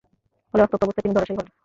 ফলে রক্তাক্ত অবস্থায় তিনি ধরাশায়ী হলেন।